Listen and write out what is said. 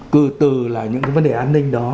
cứ từ là những cái vấn đề an ninh đó